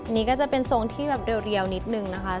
นี่ก็จะเป็นทรงที่แบบเรียวนิดนึงนะคะ